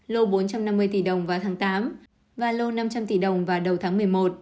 lô bốn trăm năm mươi tỷ đồng vào tháng tám và lô năm trăm linh tỷ đồng vào đầu tháng một mươi một